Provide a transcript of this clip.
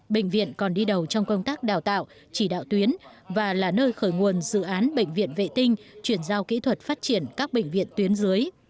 bệnh viện còn đi đầu trong công tác đào tạo chỉ đạo tuyến và là nơi khởi nguồn dự án bệnh viện vệ tinh chuyển giao kỹ thuật phát triển các bệnh viện tuyến dưới